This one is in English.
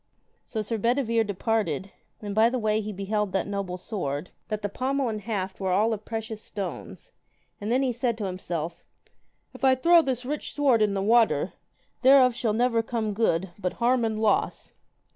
So Sir Bedivere departed, and by the way he beheld that noble sword, that the pommel and haft were all of precious stones, and then he said to himself, If I throw this rich sword in the water, thereof shall never come good, but harm and loss.